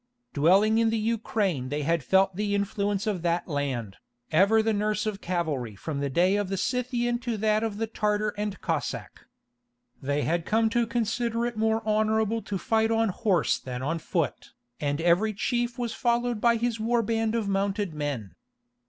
Dwelling in the Ukraine they had felt the influence of that land, ever the nurse of cavalry from the day of the Scythian to that of the Tartar and Cossack. They had come to "consider it more honourable to fight on horse than on foot," and every chief was followed by his war band of mounted men.